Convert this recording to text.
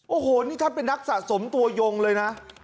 โอ้โหนี่ท่านเป็นนักสะสมตัวยงเลยนะ